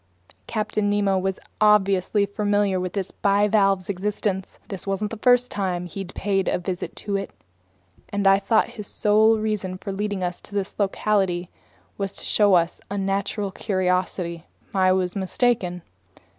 Captain Nemo was obviously familiar with this bivalve's existence. This wasn't the first time he'd paid it a visit, and I thought his sole reason for leading us to this locality was to show us a natural curiosity. I was mistaken.